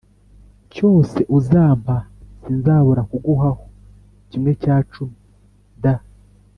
cyose uzampa sinzabura kuguhaho kimwe cya cumi d